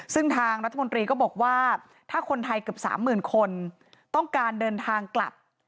ซึ่งทางรัฐมนตรีก็บอกว่าถ้าคนไทยเกือบ๓๐๐๐คนต้องการเดินทางกลับ